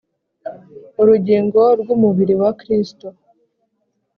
urugingo rw umubiri wa Kristo